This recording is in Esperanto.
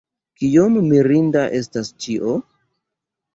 Kiom mirinda estas ĉio!